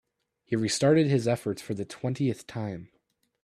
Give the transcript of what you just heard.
He restarted his efforts for the twentieth time.